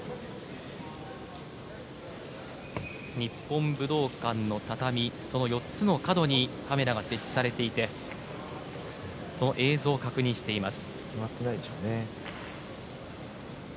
日本武道館の畳、その４つの角にカメラが設置されていてその映像を確認しています。